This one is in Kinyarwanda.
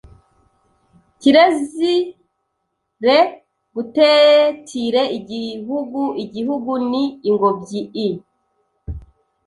Kirezire gutetire Igihugu Igihugu ni ingobyi i